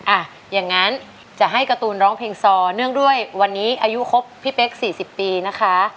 อ่ะอย่างนั้นจะให้การ์ตูนร้องเพลงซอเนื่องด้วยวันนี้อายุครบพี่เป๊ก๔๐ปีนะคะ